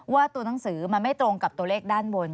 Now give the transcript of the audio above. ว่าตัวหนังสือมันไม่ตรงกับตัวเลขด้านบน